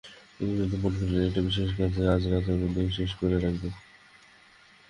মধুসূদন পণ করেছিল, একটা বিশেষ কাজ আজ রাত্রের মধ্যেই শেষ করে রাখবে।